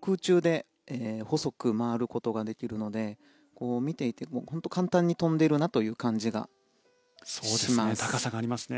空中で細く回ることができるので見ていて簡単に跳んでるなっていう感じがしました。